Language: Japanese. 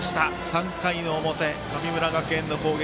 ３回の表、神村学園の攻撃。